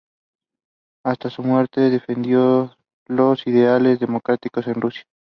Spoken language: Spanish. Hasta su muerte, defendió los ideales democráticos en Rusia.